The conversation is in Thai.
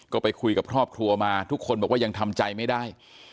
ก็ไปคุยกับครอบครัวมาทุกคนบอกว่ายังทำใจไม่ได้